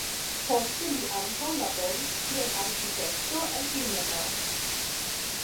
Poste li ankaŭ laboris kiel arkitekto en Ilmenau.